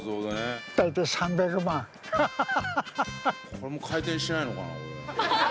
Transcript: これも回転しないのかな。